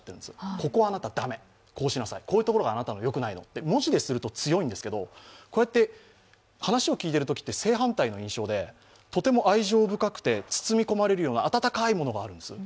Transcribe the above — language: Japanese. ここはあなた、駄目、こうしなさい、ここがあなたのよくないところなのと、文字にすると強いんですがこうやって話を聞いてるときって正反対の印象でとても愛情深くて包み込まれるにうな温かいものがあるんです。